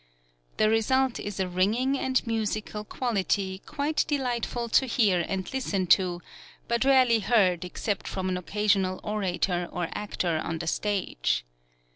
The result is a ringing and musical quality quite delightful to hear and listen to, but rarely heard ex cept from an occasional orator or actor on the stage.